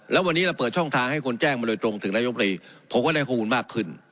แล้ววันนี้เราเปิดช่องทางให้คนแจ้งมาโดยตรงถึงนายกรีผมก็ได้ข้อมูลมากขึ้น